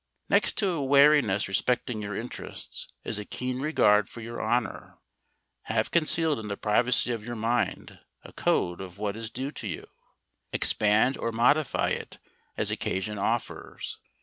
Next to a wariness respecting your interests is a keen regard for your honour. Have concealed in the privacy of your mind a code of what is due to you. Expand or modify it as occasion offers.